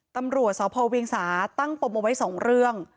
ตำรวจสภวเวียงสาตั้งประโยชน์ไว้สองเรื่อง